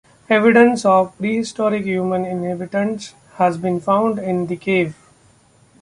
Evidence of prehistoric human inhabitants has been found in the cave.